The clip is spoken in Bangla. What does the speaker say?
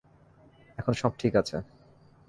এখন সব ঠিক আছে।